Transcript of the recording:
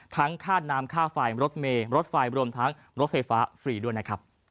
ค่าน้ำค่าไฟรถเมย์รถไฟรวมทั้งรถไฟฟ้าฟรีด้วยนะครับ